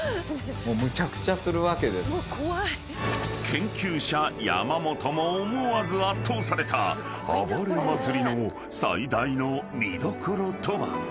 ［研究者山本も思わず圧倒されたあばれ祭の最大の見どころとは？］